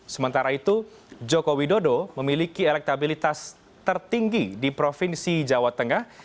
sementara itu joko widodo memiliki elektabilitas tertinggi di provinsi jawa tengah